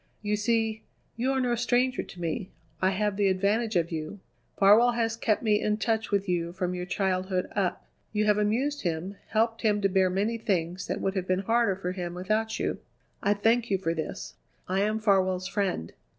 You see, you are no stranger to me; I have the advantage of you. Farwell has kept me in touch with you from your childhood up. You have amused him, helped him to bear many things that would have been harder for him without you. I thank you for this. I am Farwell's friend.